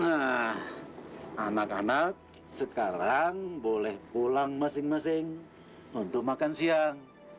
nah anak anak sekarang boleh pulang masing masing untuk makan siang